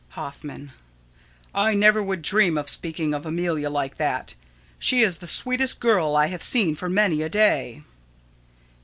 _] Hoffman: I never would dream of speaking of Amelia like that. She is the sweetest girl I have seen for many a day.